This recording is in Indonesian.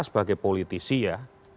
sebagai politisi ya